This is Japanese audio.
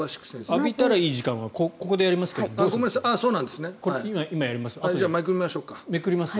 浴びたらいい時間はここでやりますけどどうします？